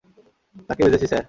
তাকে বেঁধেছি, স্যার।